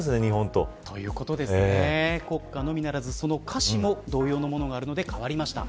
国歌のみならず、その歌詞も同様のものがあるので変わりました。